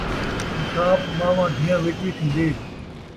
حساب مان٘واں دھیّاں وچ وی تھین٘دے